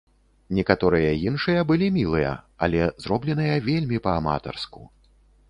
Некаторыя іншыя былі мілыя, але зробленыя вельмі па-аматарску.